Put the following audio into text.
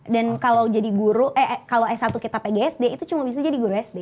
dan kalau jadi guru eh kalau s satu kita pg sd itu cuma bisa jadi guru sd